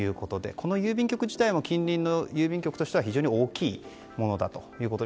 この郵便局自体も近隣の郵便局としては非常に大きいものだということで。